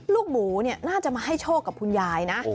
ลูกหมูน่าจะมาให้โชคกับคุณยายนะ